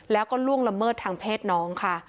แล้วก็ล่วงละเมิดทางเพศน้องค่ะ